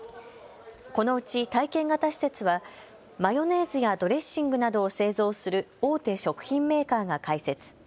このうち体験型施設はマヨネーズやドレッシングなどを製造する大手食品メーカーが開設。